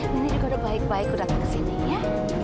nenek juga udah baik baik udah datang kesini ya